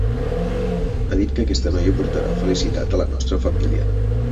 Ha dit que aquesta noia portarà felicitat a la nostra família.